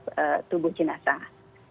pemeriksaan hadap tubuh jenazah